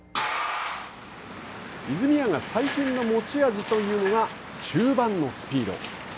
泉谷が最近の持ち味というのが中盤のスピード。